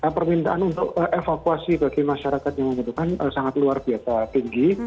permintaan untuk evakuasi bagi masyarakat yang membutuhkan sangat luar biasa tinggi